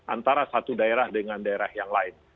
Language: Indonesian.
antara satu daerah dengan daerah yang lain